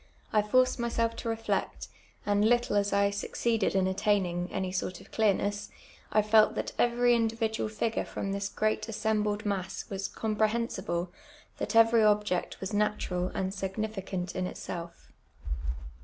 I forci'd mysi lf t" reflect, and little am I ^"'•'^v.ded in attaining any sort of <*?*, I fdt that ever) dual fij^urt from thi« grt at a d mass was comprehensihle, that every object mas natural and significant in itself.